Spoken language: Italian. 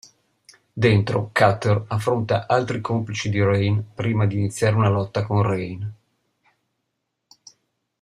Dentro, Cutter affronta altri complici di Rane prima di iniziare una lotta con Rane.